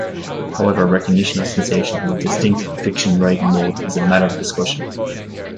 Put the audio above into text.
However, recognition of sensation as a distinct fiction-writing mode is a matter of discussion.